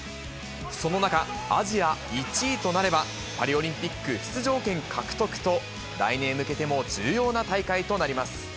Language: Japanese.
その中、アジア１位となればパリオリンピック出場権獲得と、来年へ向けても重要な大会となります。